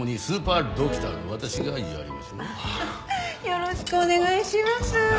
よろしくお願いします。